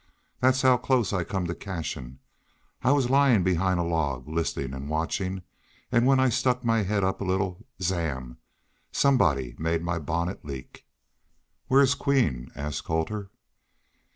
"Thet's how close I come to cashin'. I was lyin' behind a log, listenin' an' watchin', an' when I stuck my head up a little zam! Somebody made my bonnet leak." "Where's Queen?" asked Colter.